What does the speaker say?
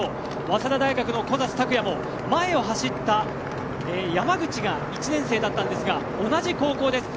早稲田大学の小指卓也も前を走った山口が１年生だったんですが同じ高校です。